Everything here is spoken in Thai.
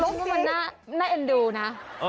นี่มันแน่เอ็นดูนะ